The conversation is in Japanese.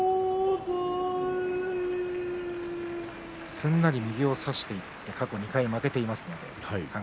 すんなり右四つ差しにいって過去２回、負けていますので。